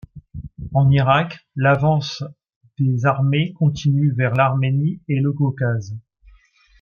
En Irak, l'avance des armées continuent vers l'Arménie et le Caucase.